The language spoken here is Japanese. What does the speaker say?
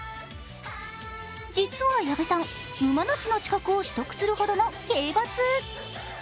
実は矢部さん、馬主の資格を取得するほどの競馬通。